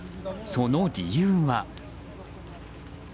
その理由は。